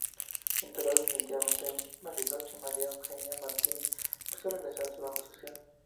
Instalada definitivamente en Bariloche, María Eugenia Martini empezó a realizar trabajo social.